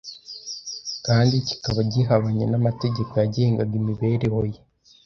kandi kikaba gihabanye n'amategeko yagengaga imibereho ye